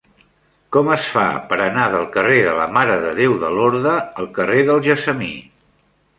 Com es fa per anar del carrer de la Mare de Déu de Lorda al carrer del Gessamí?